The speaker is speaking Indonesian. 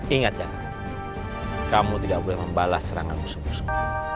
ingat ya kamu tidak boleh membalas serangan musuh musuh